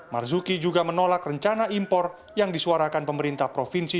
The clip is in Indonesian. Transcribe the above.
marzuki juga menolak rencana impor yang disuarakan pemerintah provinsi